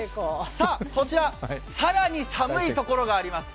こちら、更に寒いところがあります。